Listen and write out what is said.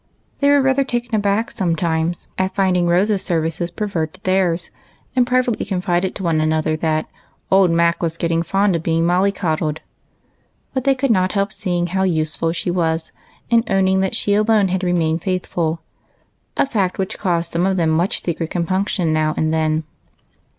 They were rather taken aback sometimes at finding Rose's services preferred to theirs, and pri vately confided to one another that " Old Mac was 6* I 130 EIGHT GOUSINS. getting fond of being molly coddled." But they could not help seeing how useful she was, and owning that she alone had remained faithful, — a fact which caused some of them much secret compunction now and then.